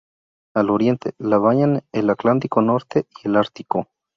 Al oriente, la bañan el Atlántico Norte y el Ártico.